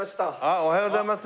おはようございます。